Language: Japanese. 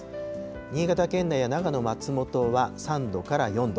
新潟県内や長野・松本は、３度から４度。